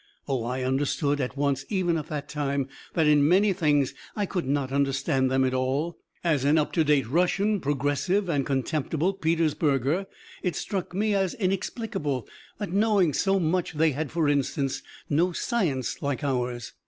Oh, I understood at once even at the time that in many things I could not understand them at all; as an up to date Russian progressive and contemptible Petersburger, it struck me as inexplicable that, knowing so much, they had, for instance, no science like ours.